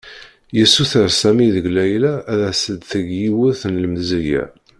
Yessuter Sami deg Layla ad as-d-teg yiwet n lemzeyya.